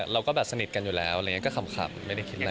เราก็แบบสนิทกันอยู่แล้วอะไรอย่างนี้ก็ขำไม่ได้คิดอะไร